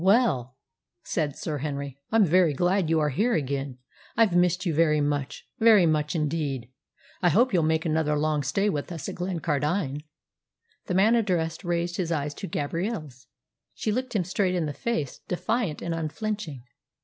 "Well," said Sir Henry, "I'm very glad you are here again. I've missed you very much very much indeed. I hope you'll make another long stay with us at Glencardine." The man addressed raised his eyes to Gabrielle's. She looked him straight in the face, defiant and unflinching.